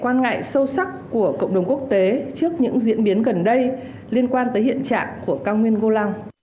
quan ngại sâu sắc của cộng đồng quốc tế trước những diễn biến gần đây liên quan tới hiện trạng của cao nguyên golang